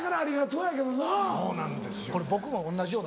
そうなんですよ。